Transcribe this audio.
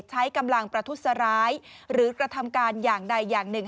ใช้กำลังประทุษร้ายหรือกระทำการอย่างใดอย่างหนึ่ง